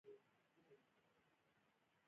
له موټره را کښته شوم، یو څه وړاندې ولاړم.